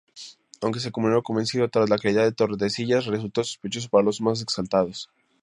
Aunque comunero convencido, tras la caída de Tordesillas resultó sospechoso para los más exaltados.